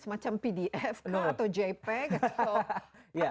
semacam pdf kah atau jpeg kah